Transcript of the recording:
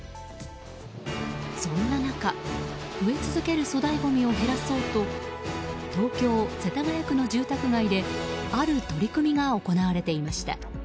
そんな中増え続ける粗大ごみを減らそうと東京・世田谷区の住宅街である取り組みが行われていました。